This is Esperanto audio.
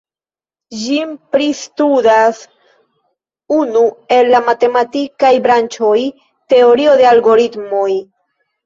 Ĝin pristudas unu el la matematikaj branĉoj: Teorio de Algoritmoj.